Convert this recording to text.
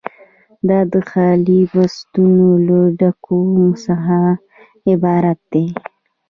دا د خالي بستونو له ډکولو څخه عبارت دی.